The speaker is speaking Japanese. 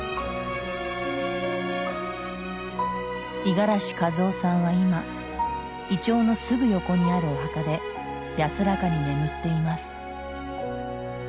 五十嵐和雄さんは今イチョウのすぐ横にあるお墓で安らかに眠っています。